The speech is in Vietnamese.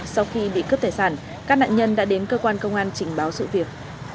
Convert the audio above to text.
sau khi bị cướp tài sản các nạn nhân đã đến cơ quan công an trình báo sự việc